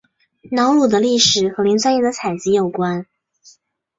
瑙鲁的历史和磷酸盐的采集有关。